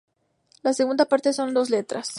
La segunda parte son dos letras.